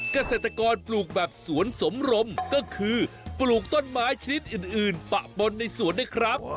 เกษตรกรปลูกแบบสวนสมรมก็คือปลูกต้นไม้ชนิดอื่นปะปนในสวนด้วยครับ